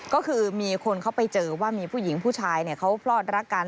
ก็คือมีคนเขาไปเจอว่ามีผู้หญิงผู้ชายเขาพลอดรักกัน